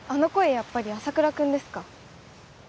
やっぱり朝倉君ですか？